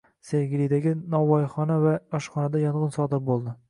Sergelidagi novvoyxona va oshxonada yong‘in sodir bo‘ldi